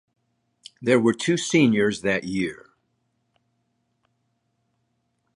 There were two seniors that year.